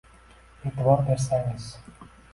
Eʼtibor bersangiz